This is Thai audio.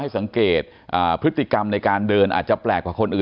สังเกตพฤติกรรมในการเดินอาจจะแปลกกว่าคนอื่น